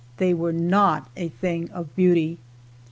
They were not a thing of beauty.